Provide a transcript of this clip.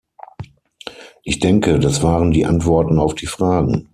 Ich denke, das waren die Antworten auf die Fragen.